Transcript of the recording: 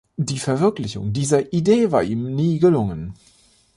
Die Verwirklichung dieser Idee war ihm nie gelungen.